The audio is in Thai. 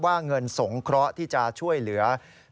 เงินสงเคราะห์ที่จะช่วยเหลือ